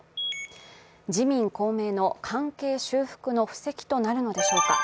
自民・公明の関係修復の布石となるのでしょうか。